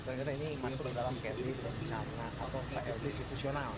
sebenarnya ini masuk ke dalam kd dan cac atau klb institusional